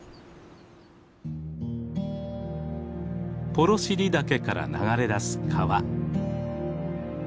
幌尻岳から流れだす川。